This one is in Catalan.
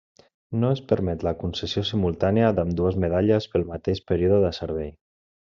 No es permet la concessió simultània d'ambdues medalles pel mateix període de servei.